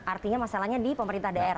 artinya masalahnya di pemerintah daerah